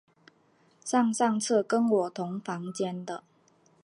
上上次跟我同房间的